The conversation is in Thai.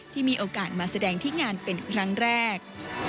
ที่มีโอกาสมาแสดงที่งานเป็นครั้งแรก